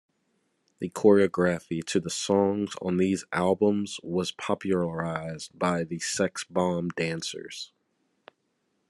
The choreography to the songs on these albums was popularized by the Sexbomb Dancers.